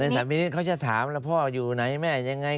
สารพินิษฐเขาจะถามแล้วพ่ออยู่ไหนแม่ยังไง